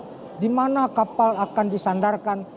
dan bagaimana nanti kapal akan disandarkan